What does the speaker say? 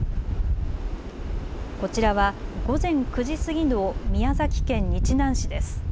こちらは午前９時過ぎの宮崎県日南市です。